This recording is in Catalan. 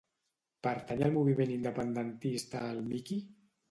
Pertany al moviment independentista el Miki?